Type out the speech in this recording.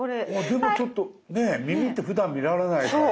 でもちょっとね耳ってふだん見られないから。